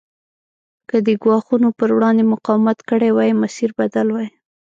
که دې ګواښونو پر وړاندې مقاومت کړی وای مسیر بدل وای.